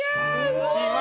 うわ！